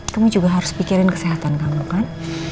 kamu juga harus pikirin kesehatan kamu kan